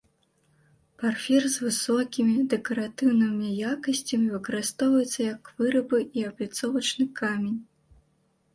Парфір з высокімі дэкаратыўнымі якасцямі выкарыстоўваюцца як вырабы і абліцовачны камень.